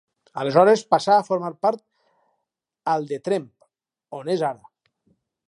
Aleshores passà a formar part al de Tremp, on és ara.